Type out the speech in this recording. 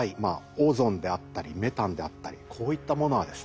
オゾンであったりメタンであったりこういったものはですね